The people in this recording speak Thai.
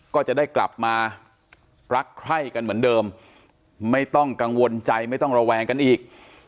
ก็จะได้กลับมารักใคร่กันเหมือนเดิมไม่ต้องกังวลใจไม่ต้องระแวงกันอีก